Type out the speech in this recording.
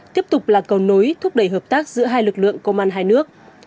tiếp tục là cầu nối thúc đẩy hợp tác giữa hai lực lượng công an hai nước